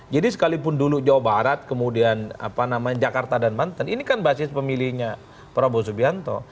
jadi sekalipun dulu jawa barat kemudian jakarta dan banten ini kan basis pemilihnya prabowo subianto